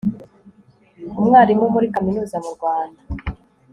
umwarimu muri kaminuza mu rwanda